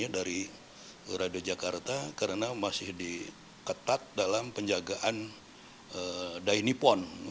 dari radio jakarta karena masih diketat dalam penjagaan dinipon